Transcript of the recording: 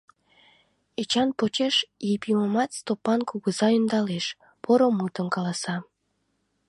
Эчан почеш Епимымат Стопан кугыза ӧндалеш, поро мутым каласа.